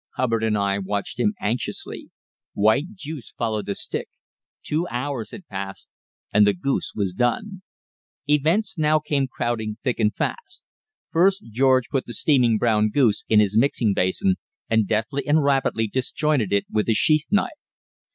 Hubbard and I watched him anxiously. White juice followed the stick. Two hours had passed, and the goose was done! Events now came crowding thick and fast. First, George put the steaming brown goose in his mixing basin, and deftly and rapidly disjointed it with his sheath knife.